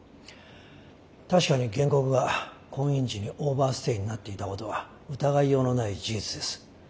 確かに原告は婚姻時にオーバーステイになっていたことは疑いようのない事実です。